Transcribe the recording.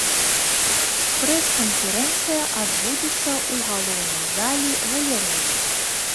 Прэс-канферэнцыя адбудзецца ў галоўнай залі галерэі.